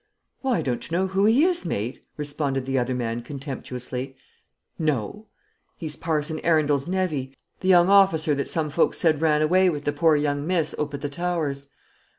"Why, don't you know who he is, mate?" responded the other man, contemptuously. "No." "He's Parson Arundel's nevy, the young officer that some folks said ran away with the poor young miss oop at the Towers."